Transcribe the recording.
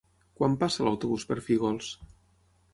Quan passa l'autobús per Fígols?